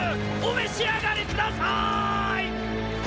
お召し上がりください！